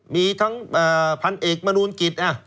มีทั้งพันเอกมนูลกิจ